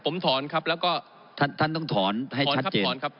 ผมถอนครับแล้วก็ท่านต้องถอนให้ชัดเจนถอนครับ